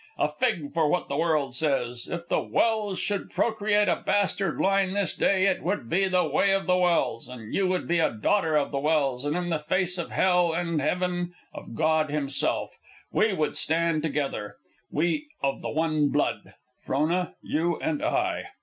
A fig for what the world says! If the Welse should procreate a bastard line this day, it would be the way of the Welse, and you would be a daughter of the Welse, and in the face of hell and heaven, of God himself, we would stand together, we of the one blood, Frona, you and I."